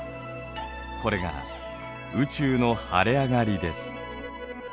これが宇宙の晴れ上がりです。